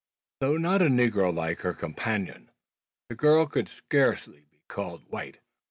Though not a negro like her companion, the girl could scarce be called white.